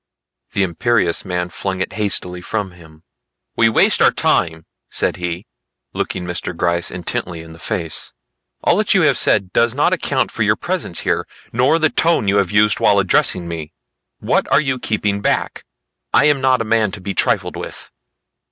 The imperious man flung it hastily from him. "We waste our time," said he, looking Mr. Gryce intently in the face. "All that you have said does not account for your presence here nor the tone you have used while addressing me. What are you keeping back? I am not a man to be trifled with."